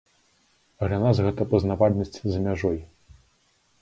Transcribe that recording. Для нас гэта пазнавальнасць за мяжой.